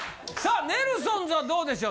さあネルソンズはどうでしょう？